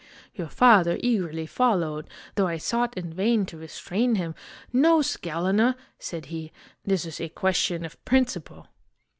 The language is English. " Your father eagerly followed, though I sought in vain to re strain him. ' No, Scalena,' said he. ' This is a question of prin ciple